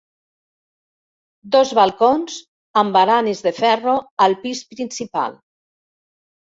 Dos balcons amb baranes de ferro al pis principal.